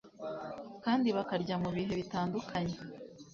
kandi bakarya mu bihe bitandukanye